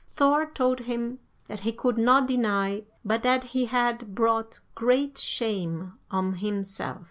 Thor told him that he could not deny but that he had brought great shame on himself.